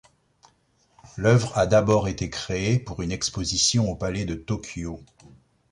L'œuvre a d'abord été créée pour une exposition au Palais de Tokyo.